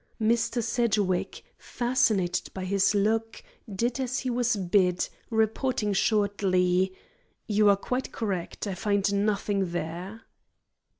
Mr. Sedgwick, fascinated by his look, did as he was bid, reporting shortly: "You are quite correct. I find nothing there."